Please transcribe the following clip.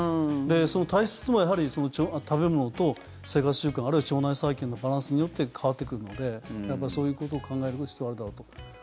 その体質もやはり食べ物と生活習慣あるいは腸内細菌のバランスによって変わってくるのでそういうことを考える必要があるだろうと。